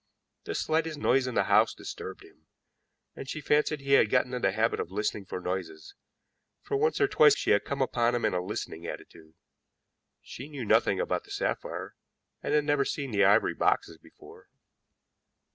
The slightest noise in the house disturbed him, and she fancied he had got into the habit of listening for noises, for once or twice she had come upon him in a listening attitude. She knew nothing about the sapphire, and had never seen the ivory boxes before.